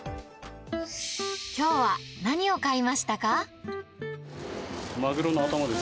きょうは何を買いましたか？